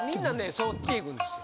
そっちいくんですよ